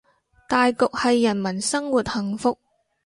大局係人民生活幸福